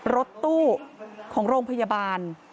รถตู้ของโรงพยาบาล